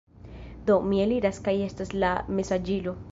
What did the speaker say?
Do, mi eliras kaj estas la mesaĝilo